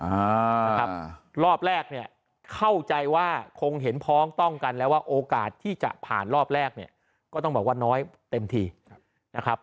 อ่านะครับรอบแรกเนี่ยเข้าใจว่าคงเห็นพ้องต้องกันแล้วว่าโอกาสที่จะผ่านรอบแรกเนี่ยก็ต้องบอกว่าน้อยเต็มทีนะครับ